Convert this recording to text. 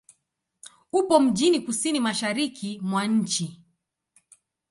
Upo mjini kusini-mashariki mwa nchi.